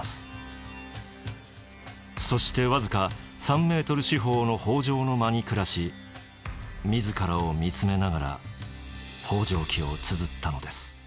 そして僅か３メートル四方の方丈の間に暮らし自らを見つめながら「方丈記」をつづったのです。